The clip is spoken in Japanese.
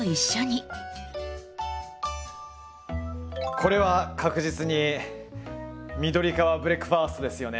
これは確実に緑川ブレックファストですよね。